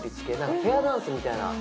ペアダンスみたいな。